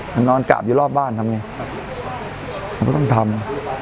มันนอนกราบอยู่รอบบ้านทำไงมันก็ต้องทำ